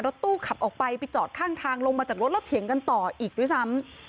ตู้ขับออกไปไปจอดข้างทางลงมาจากรถแล้วเถียงกันต่ออีกด้วยซ้ำ